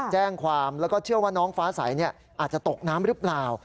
แจ้งความแล้วก็เชื่อว่าน้องฟ้าใสอาจจะตกน้ำหรือเปล่า